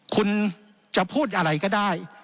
คุณจะพูดอะไรก็ได้